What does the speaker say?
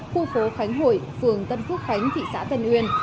khu phố khánh hội phường tân phước khánh thị xã tân uyên